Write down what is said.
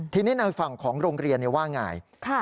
ทีนี้ทางฝั่งของโรงเรียนว่าอย่างไร